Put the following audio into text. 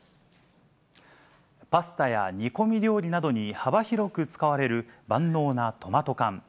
パスタや煮込み料理などに幅広く使われる、万能なトマト缶。